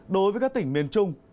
đối với các tỉnh miền trung